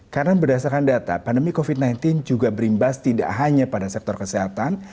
karena berdasarkan data pandemi covid sembilan belas juga berimbas tidak hanya pada sektor kesehatan